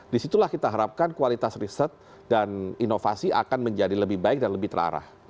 disitulah kita harapkan kualitas riset dan inovasi akan menjadi lebih baik dan lebih terarah